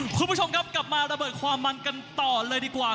คุณผู้ชมครับกลับมาระเบิดความมันกันต่อเลยดีกว่า